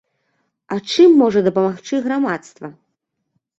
А чым можа дапамагчы грамадства?